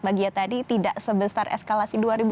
bagi ya tadi tidak sebesar eskalasi